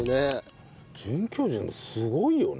准教授すごいよね。